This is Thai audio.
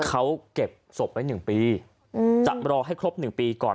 เขาเก็บศพไว้๑ปีจะรอให้ครบ๑ปีก่อน